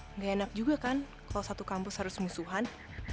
nggak enak juga kan kalau satu kampus harus musuhan